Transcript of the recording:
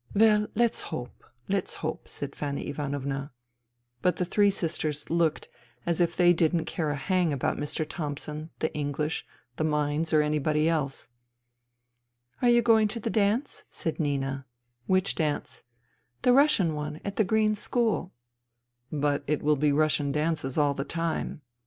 " Well, let's hope, let's hope," said Fanny Ivanovna. But the three sisters looked as if they didn't care a hang about Mr. Thomson, the English, the mines or anybody else. " Are you going to the dance ?" said Nina. *' Which dance ?"" The Russian one — at the Green School." INTERVENING IN SIBERIA 129 " But it will be Russian dances all the time.'